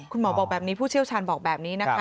บอกแบบนี้ผู้เชี่ยวชาญบอกแบบนี้นะคะ